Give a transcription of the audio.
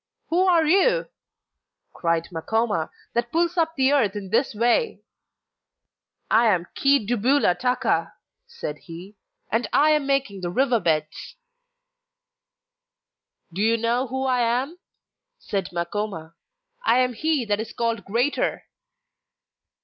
'Who are you,' cried Makoma, 'that pulls up the earth in this way?' 'I am Chi dubula taka,' said he, 'and I am making the river beds.' 'Do you know who I am?' said Makoma. 'I am he that is called "greater"!